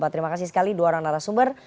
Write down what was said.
terima kasih sekali dua orang narasumber